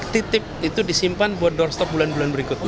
titip itu disimpan buat doorstop bulan bulan berikutnya